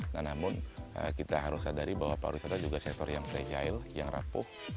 nah namun kita harus sadari bahwa pariwisata juga sektor yang fragile yang rapuh